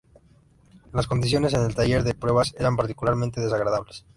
Las condiciones en el taller de pruebas eran particularmente desagradables.